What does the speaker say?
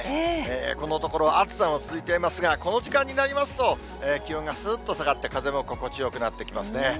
このところ、暑さも続いていますが、この時間になりますと、気温がすーっと下がって、風も心地よくなってきますね。